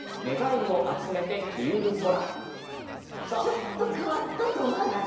ちょっと変わったと思わない？